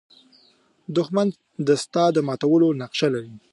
دښمن د ستا د ماتولو نقشه لري